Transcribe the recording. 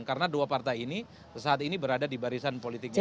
karena dua partai ini saat ini berada di barisan politik jokowi